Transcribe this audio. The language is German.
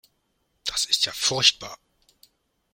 Das ist ja furchtbar.